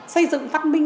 xây dựng văn minh